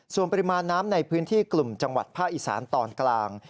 ส่วนปริมาณน้ำในพื้นที่กลุ่มจังหวัดภาคอีสานตอนกลาง